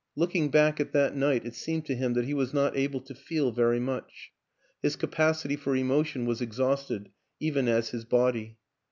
Looking back at that night it seemed to him that he was not able to feel very much; his capacity for emotion was ex hausted, even as his body.